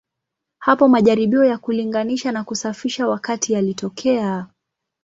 Hapo majaribio ya kulinganisha na kusafisha wakati yalitokea.